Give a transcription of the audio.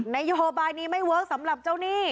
นโยบายนี้ไม่เวิร์คสำหรับเจ้าหนี้